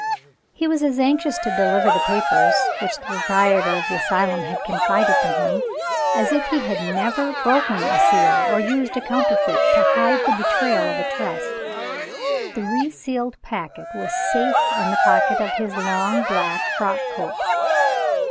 He was as anxious to deliver the papers which the proprietor of the asylum had confided to him, as if he had never broken a seal or used a counterfeit to hide the betrayal of a trust. The re sealed packet was safe in the pocket of his long black frockcoat.